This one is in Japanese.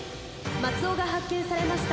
松尾が発見されました。